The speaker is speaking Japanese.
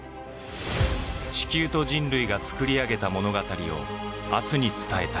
地球と人類が作り上げた物語を明日に伝えたい。